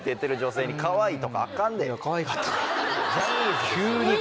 かわいかったから。